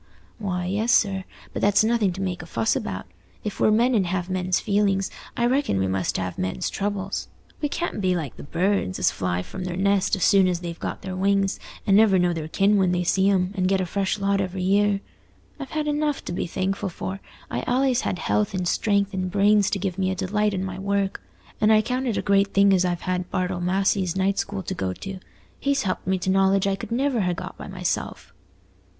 "Why, yes, sir; but that's nothing to make a fuss about. If we're men and have men's feelings, I reckon we must have men's troubles. We can't be like the birds, as fly from their nest as soon as they've got their wings, and never know their kin when they see 'em, and get a fresh lot every year. I've had enough to be thankful for: I've allays had health and strength and brains to give me a delight in my work; and I count it a great thing as I've had Bartle Massey's night school to go to. He's helped me to knowledge I could never ha' got by myself."